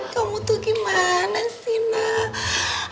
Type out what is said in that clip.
kamu tuh gimana sih nak